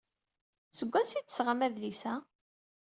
Seg wansi ay d-tesɣam adlis-a?